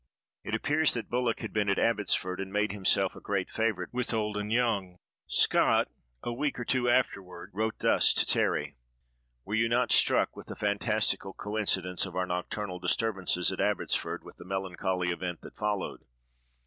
It appears that Bullock had been at Abbotsford, and made himself a great favorite with old and young. Scott, a week or two afterward, wrote thus to Terry: "Were you not struck with the fantastical coincidence of our nocturnal disturbances at Abbotsford, with the melancholy event that followed?